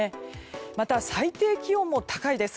また、最低気温も高いです。